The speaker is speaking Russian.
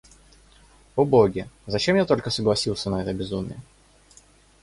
О боги, зачем я только согласился на это безумие!